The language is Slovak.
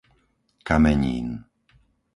Kamenín